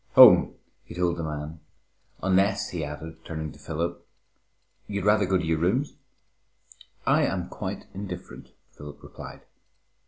"Home," he told the man, "unless," he added, turning to Philip, "you'd rather go to your rooms?" "I am quite indifferent," Philip replied.